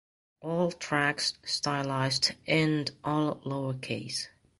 All tracks stylized in all lowercase.